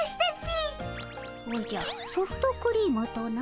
おじゃソフトクリームとな。